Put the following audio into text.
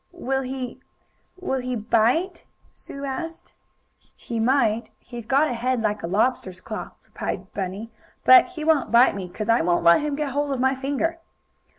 "Will he will he bite?" "He might. He's got a head like a lobster's claw," replied Bunny. "But he won't bite me 'cause I won't let him get hold of my finger."